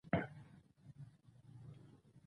ښوونځی ته باید نجونې هم لاړې شي